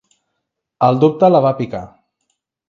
El dubte la va picar.